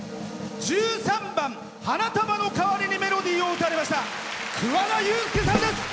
１３番「花束のかわりにメロディーを」を歌われましたくわださんです！